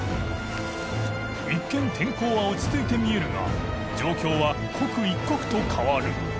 祕豸天候は落ち着いて見えるが噲靴刻一刻と変わる祺